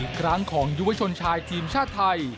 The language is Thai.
อีกครั้งของยุวชนชายทีมชาติไทย